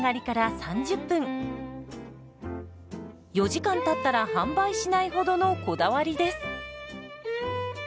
４時間たったら販売しないほどのこだわりです。